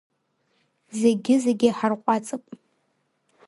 Зегьы-зегьы ҳарҟәаҵып…